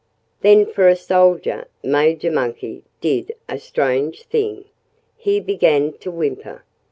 Then for a soldier Major Monkey did a strange thing. He began to whimper.